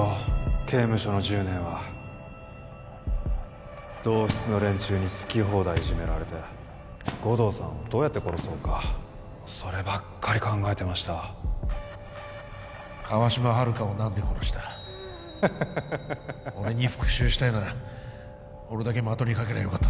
刑務所の１０年は同室の連中に好き放題いじめられて護道さんをどうやって殺そうかそればっかり考えてました川島春香を何で殺した俺に復讐したいなら俺だけ的にかけりゃよかった